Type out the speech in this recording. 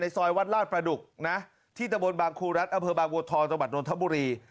ซอยวัดลาดประดุกนะที่ตะบนบางครูรัฐอำเภอบางบัวทองจังหวัดนทบุรี